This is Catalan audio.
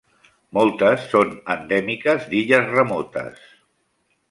Moltes són endèmiques d'illes remotes.